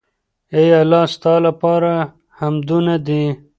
اې الله ! ستا لپاره حمدونه دي